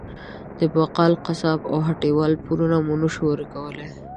د بقال، قصاب او هټۍ وال پورونه مو نه شو ورکولی.